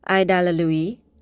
ai đã là lưu ý